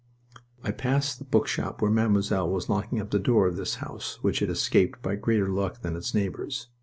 I passed the bookshop where Mademoiselle was locking up the door of this house which had escaped by greater luck than its neighbors.